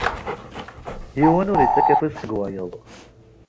Yiwen ur ittakk afus deg wayeḍ.